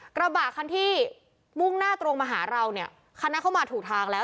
กระบะคันที่มุ่งหน้าตรงมาหาเราเนี่ยคันนั้นเข้ามาถูกทางแล้ว